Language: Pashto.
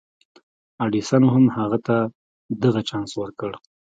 ايډېسن هم هغه ته دغه چانس ورکړ.